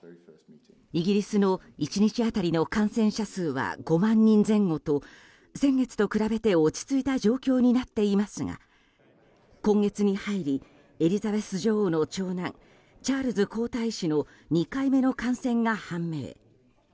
イギリスの１日当たりの感染者数は５万人前後と先月と比べて落ち着いた状況になっていますが今月に入りエリザベス女王の長男チャールズ皇太子の２回目の感染が判明。